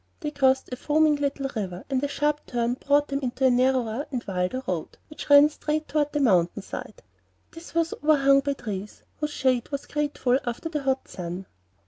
They crossed a foaming little river; and a sharp turn brought them into a narrower and wilder road, which ran straight toward the mountain side. This was overhung by trees, whose shade was grateful after the hot sun.